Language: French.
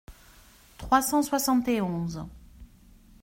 trois cent soixante et onze).